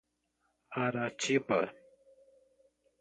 Aratiba